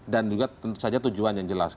dan juga tentu saja tujuan yang jelas